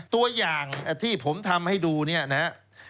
ตัวอย่างที่ผมทำให้ดูเนี่ยนะครับ